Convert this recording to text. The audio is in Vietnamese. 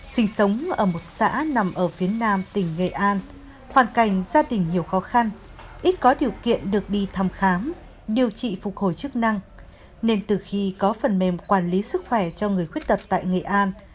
sinh sống ở một xã nằm ở phía nam tỉnh nghệ an hoàn cảnh gia đình nhiều khó khăn ít có điều kiện được đi thăm khám điều trị phục hồi chức năng nên từ khi có phần mềm quản lý sức khỏe cho người khuyết tật tại nghệ an